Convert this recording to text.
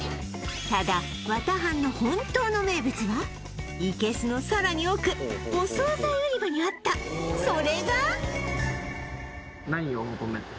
ただ綿半の本当の名物は生簀のさらに奥お惣菜売り場にあったそれが何を求めて？